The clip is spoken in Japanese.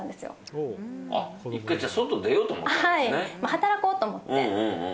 働こうと思って。